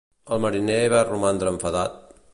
El mariner va romandre enfadat?